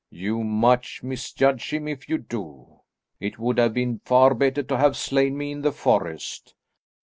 You much misjudge him if you do. It would have been far better to have slain me in the forest.